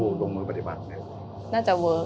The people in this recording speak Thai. ผู้หลงมือปฏิบัติไว้